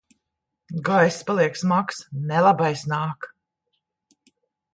Gaiss paliek smags. Nelabais nāk!